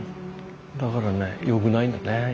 だからねよくないんだね。